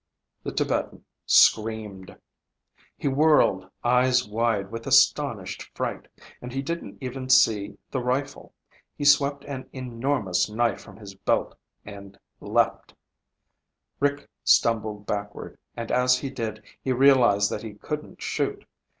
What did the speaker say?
The Tibetan screamed. He whirled, eyes wide with astonished fright, and he didn't even see the rifle. He swept an enormous knife from his belt and leaped! Rick stumbled backward, and as he did, he realized that he couldn't shoot.